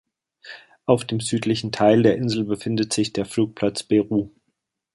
Auf dem südlichen Teil der Insel befindet sich der Flugplatz Beru.